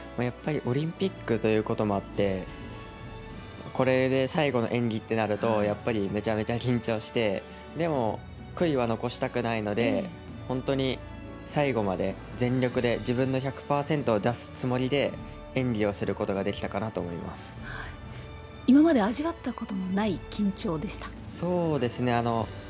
やっぱりオリンピックということもあって、これで最後の演技ってなると、やっぱりめちゃめちゃ緊張して、でも、悔いは残したくないので、本当に最後まで全力で自分の１００％を出すつもりで演技をするこ今まで味わったことのない緊そうですね。